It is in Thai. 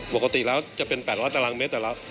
ปกติแล้วจะเป็น๘๐๐ตารางเมตรแต่ละ